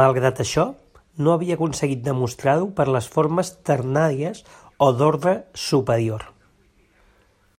Malgrat això, no havia aconseguit demostrar-ho per les formes ternàries o d'ordre superior.